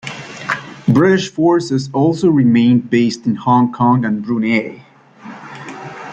British forces also remained based in Hong Kong and Brunei.